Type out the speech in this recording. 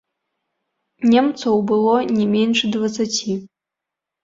Немцаў было не менш дваццаці.